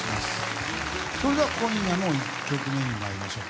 それでは今夜の１曲目に参りましょう。